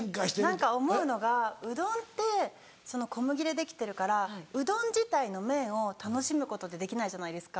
何か思うのがうどんって小麦でできてるからうどん自体の麺を楽しむことってできないじゃないですか。